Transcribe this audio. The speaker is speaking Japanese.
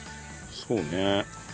そうね。